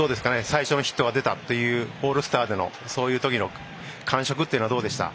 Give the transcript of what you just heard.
最初のヒットが出たというオールスターでのそういうときの感触っていうのはどうでした？